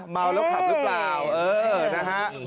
เมาแล้วขับหรือเปล่าเออนะฮะ